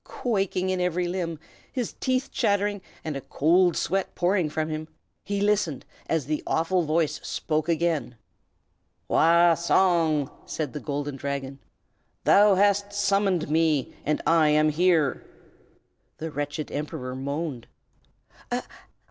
Quaking in every limb, his teeth chattering, and a cold sweat pouring from him, he listened as the awful voice spoke again. "Wah Song!" said the Golden Dragon, "thou hast summoned me, and I am here!" The wretched Emperor moaned.